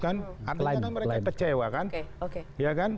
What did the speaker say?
artinya mereka kecewa